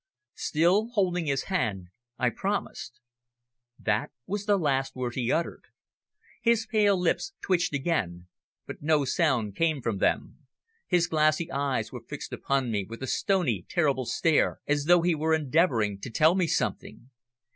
Still holding his hand, I promised. That was the last word he uttered. His pale lips twitched again, but no sound came from them. His glassy eyes were fixed upon me with a stony, terrible stare, as though he were endeavouring to tell me something.